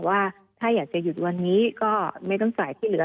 ว่าถ้าอยากจะหยุดวันนี้ก็ไม่ต้องจ่ายที่เหลือ